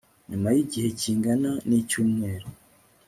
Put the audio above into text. nyuma y'igihe kingana n'icyumweru